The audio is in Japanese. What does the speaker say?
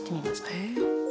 へえ。